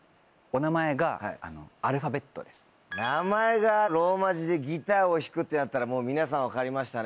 名前がローマ字でギターを弾くってなったらもう皆さん分かりましたね？